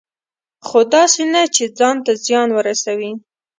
خو داسې نه چې ځان ته زیان ورسوي.